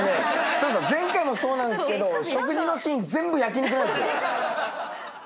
前回もそうなんすけど食事のシーン全部焼き肉なんすよ。